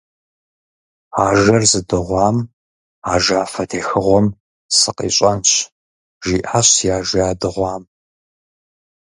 «Ажэр зыдыгъуам ажафэ техыгъуэм сыкъищӀэнщ», - жиӀащ зи ажэ ядыгъуам.